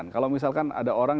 kalau misalkan ada orang